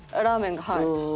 ラーメンがはい。